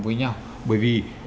với nhau bởi vì